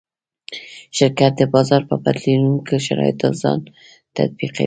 شرکت د بازار په بدلېدونکو شرایطو ځان تطبیقوي.